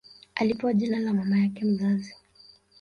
Alipewa jina la mama yake mzazi